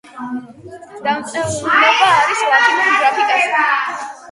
დამწერლობა ლათინურ გრაფიკაზეა.